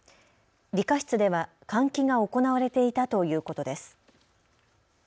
理科室では換気が行われていたということです。